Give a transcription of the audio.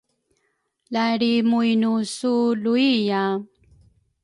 La lri mu inu su luiya?